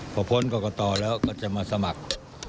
พอพ้นกรกตแล้วก็จะมาสมัคร